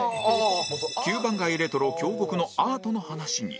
９番街レトロ京極のアートの話に